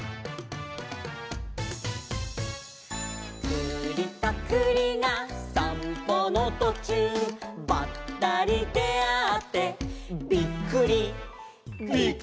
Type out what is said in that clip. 「くりとくりがさんぽのとちゅう」「ばったりであってびっくり」